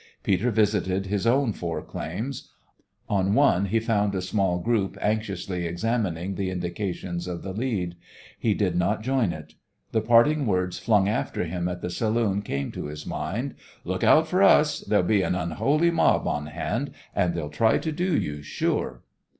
Peter visited his own four claims. On one he found a small group anxiously examining the indications of the lead. He did not join it. The parting words flung after him at the saloon came to his mind. "Look out for us! There'll be an unholy mob on hand, and they'll try to do you, sure."